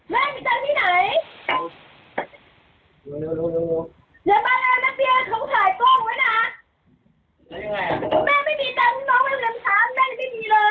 แม่ไม่มีเต็มน้องไม่มีเงินค้าแม่ไม่มีเลย